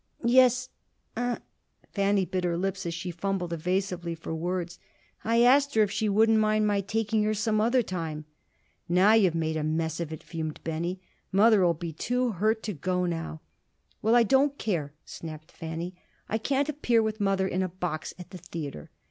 "Yes I " Fanny bit her lips as she fumbled evasively for words. "I asked her if she wouldn't mind my taking her some other time." "Now you have made a mess of it!" fumed Benny. "Mother'll be too hurt to go now." "Well, I don't care," snapped Fanny. "I can't appear with mother in a box at the theater.